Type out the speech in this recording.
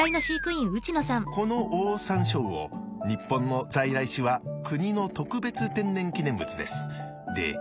このオオサンショウウオ日本の在来種は国の特別天然記念物です。